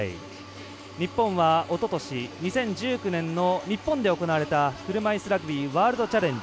日本は、おととし２０１９年の日本で行われた車いすラグビーワールドチャレンジ